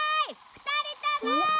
２人とも！